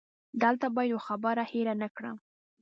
دلته باید یوه خبره هېره نه کړم.